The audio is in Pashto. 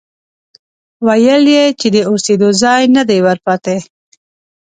ويل يې چې د اوسېدو ځای نه دی ورپاتې،